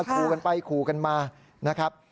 ขู่กันไปขู่กันมานะครับ